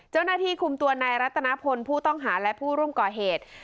เจ้าหน้าที่คุมตัวนายรัตนพลผู้ต้องหาและผู้ร่วมก่อเหตุ